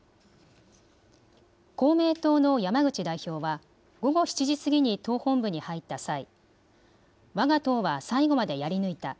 公明党の山口代表は午後７時過ぎに党本部に入った際、わが党は最後までやり抜いた。